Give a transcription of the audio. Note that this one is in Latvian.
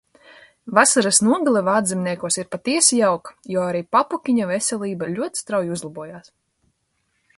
Vasaras nogale Vāczemniekos ir patiesi jauka, jo arī papukiņa veselība ļoti strauji uzlabojās.